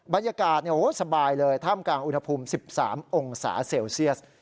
บรรยากาศสบายเลยท่ามกลางอุณหภูมิ๑๓องศาเซลเซียส